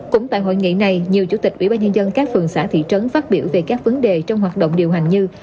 cũng tại hội nghị này nhiều chủ tịch ủy ban nhân dân các phường xã thị trấn phát biểu về các vấn đề trong hoạt động điều hành như